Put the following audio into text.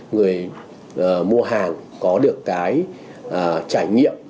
người mua hàng có được cái trải nghiệm